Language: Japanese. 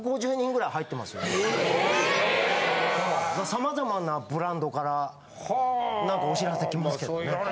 様々なブランドから何かお知らせ来ますけどね。